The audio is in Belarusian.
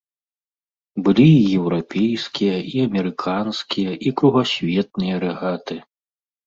Былі і еўрапейскія, і амерыканскія, і кругасветныя рэгаты.